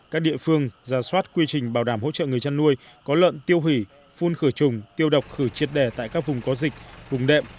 các địa phương ra soát quy trình bảo đảm hỗ trợ người chăn nuôi có lợn tiêu hủy phun khởi trùng tiêu độc khử triệt đẻ tại các vùng có dịch vùng đệm